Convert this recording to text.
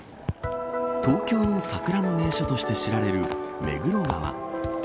東京の桜の名所として知られる目黒川。